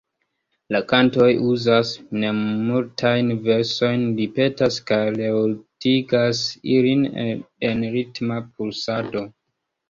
La kantoj uzas nemultajn versojn, ripetas kaj reordigas ilin en ritma pulsado.